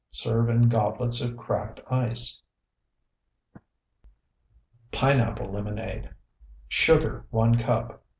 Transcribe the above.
Serve in goblets of cracked ice. PINEAPPLE LEMONADE Sugar, 1 cup.